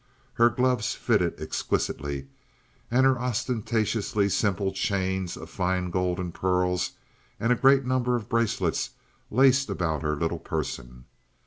Her gloves fitted exquisitely, and ostentatiously simple chains of fine gold and pearls, and a great number of bracelets, laced about her little person.